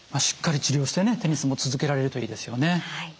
しっかり治療してねテニスも続けられるといいですよね。